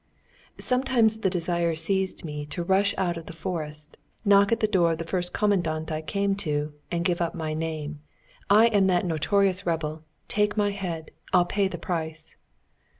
Sometimes the desire seized me to rush out of the forest, knock at the door of the first Commandant I came to, and give up my name: "I am that notorious rebel take my head, I'll pay the price!"